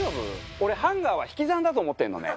俺はハンガーは引き算だと思ってるのね。